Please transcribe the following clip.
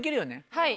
はい。